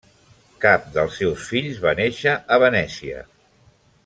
Cap dels seus fills va néixer a Venècia.